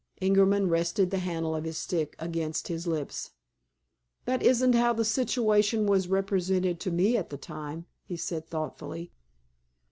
Ingerman rested the handle of his stick against his lips. "That isn't how the situation was represented to me at the time," he said thoughtfully.